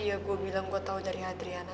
masa iya gue bilang gue tau dari adriana